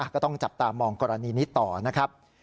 ก็ต้องจับตามองกรณีนี้ต่อนะครับ